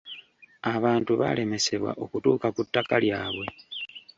Abantu baalemesebwa okutuuka ku ttaka lyabwe.